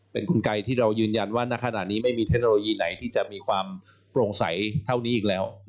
เป็นคุณไกรที่เรายืนยันว่าณขณะนี้ไม่มีเทคโนโลยีไหนที่จะมีความโปร่งใสเท่านี้อีกแล้ว